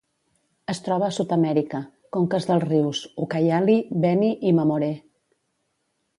Es troba a Sud-amèrica: conques dels rius Ucayali, Beni i Mamoré.